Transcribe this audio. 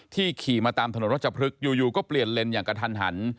ขี่มาตามถนนรัชพฤกษ์อยู่ก็เปลี่ยนเลนส์อย่างกระทันหัน